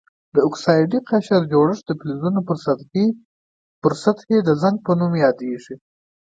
د اکسایدي قشر جوړښت د فلزونو پر سطحې د زنګ په نوم یادیږي.